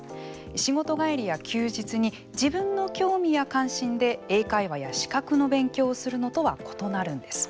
仕事帰りや休日に自分の興味や関心で英会話や資格の勉強をするのとは異なるんです。